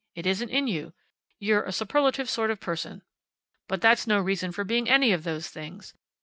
It isn't in you. You're a superlative sort of person. But that's no reason for being any of those things.